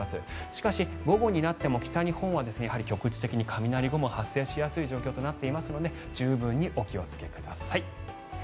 しかし、午後になっても北日本は局地的に雷雲が発生しやすい状況となっていますので十分にお気をつけください。